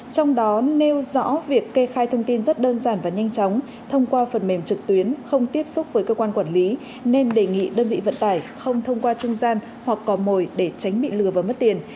trong đó nêu rõ việc kê khai thông tin rất đơn giản và nhanh chóng thông qua phần mềm trực tuyến không tiếp xúc với cơ quan quản lý nên đề nghị đơn vị vận tải không thông qua trung gian hoặc cò mồi để tránh bị lừa và mất tiền